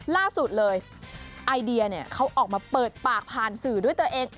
ล่าสุดเลยไอเดียเขาออกมาเปิดปากผ่านสื่อด้วยตัวเอง